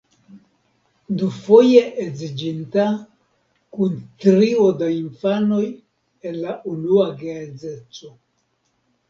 Dufoje edziĝinta, kun trio da infanoj el la unua geedzeco.